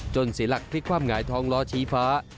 จนศิลักษณ์คลิกความหงายท้องล้อชี้ฟ้า